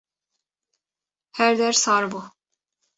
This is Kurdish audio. her der sar bû.